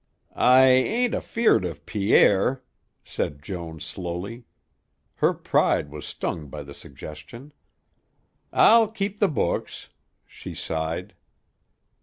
"I ain't afeared of Pierre," said Joan slowly. Her pride was stung by the suggestion. "I'll keep the books." She sighed.